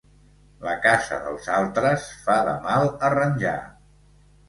La casa dels altres fa de mal arranjar.